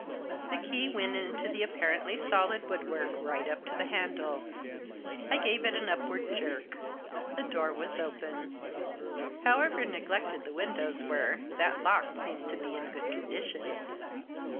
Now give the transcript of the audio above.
The key went into the apparently solid wood work right up to the handle. I gave it an upward jerk ; the door was open. However neglected the windows were, that lock seemed to be in good condition.